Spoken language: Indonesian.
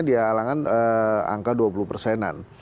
dia alangan angka dua puluh persenan